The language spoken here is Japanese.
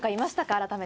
改めて。